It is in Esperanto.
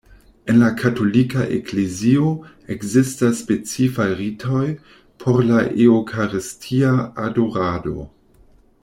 En la Katolika Eklezio ekzistas specifaj ritoj por la Eŭkaristia adorado.